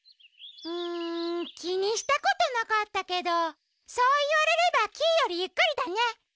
うんきにしたことなかったけどそういわれればキイよりゆっくりだね。